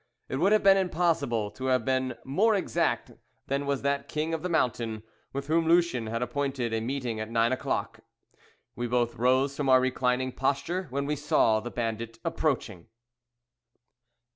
It would have been impossible to have been more exact than was that king of the mountain, with whom Lucien had appointed a meeting at nine o'clock. We both rose from our reclining posture when we saw the bandit approaching.